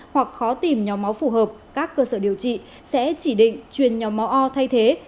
hoặc khó tìm nhóm máu phù hợp các cơ sở điều trị sẽ chỉ định truyền nhóm máu o thay thế